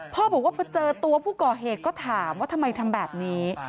พ่อบอกว่าพอเจอตัวผู้ก่อเหตุก็ถามว่าทำไมทำแบบนี้